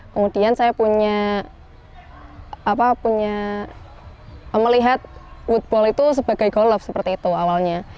kemudian saya punya melihat woodball itu sebagai golf seperti itu awalnya